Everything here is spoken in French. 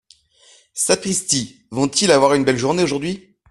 Sapristi ! vont-ils avoir une belle journée aujourd’hui !